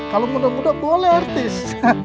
kalau muda muda boleh artis